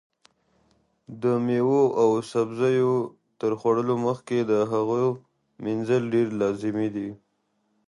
د مېوې او سبزیو تر خوړلو مخکې د هغو مینځل ډېر لازمي دي.